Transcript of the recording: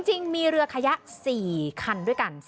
จริงมีเรือขยะ๔คันด้วยกัน